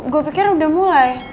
gue pikir udah mulai